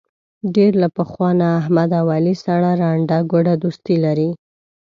ډېر له پخوا نه احمد او علي سره ړنده ګوډه دوستي لري.